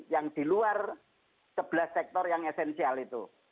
yang di luar sebelah sektor yang esensial itu